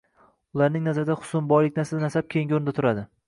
Uning nazarida husn, boylik, nasl-nasab keyingi o‘rinda turadi.